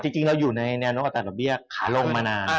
จริงเราอยู่ในแนวโน้มอัตราดอกเบี้ยขาลงมานาน